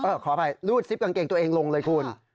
ขออภัยรูดซิปกางเกงตัวเองลงเลยคุณ